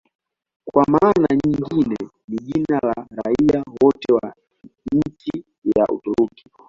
Kwa maana nyingine ni jina la raia wote wa nchi ya Uturuki.